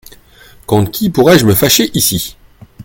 Contre qui pourrais-je me fâcher ici ?